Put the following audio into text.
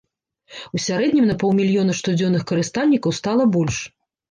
У сярэднім на паўмільёна штодзённых карыстальнікаў стала больш.